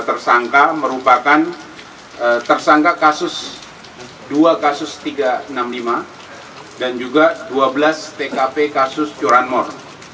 tiga tersangka merupakan tersangka kasus dua kasus tiga ratus enam puluh lima dan juga dua belas tkp kasus curanmor